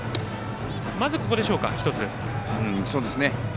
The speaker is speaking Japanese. まず、ここでしょうか、１つ。